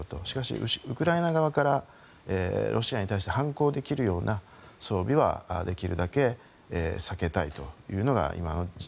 しかし、ウクライナ側からロシアに対して反抗できるような装備はできるだけ避けたいというのが今の。